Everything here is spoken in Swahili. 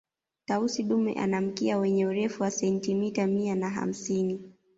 Tausi dume ana mkia wenye Urefu wa sentimita mia na hamsini